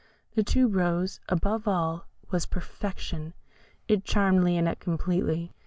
The Tube rose, above all, was perfection. It charmed Lionette completely.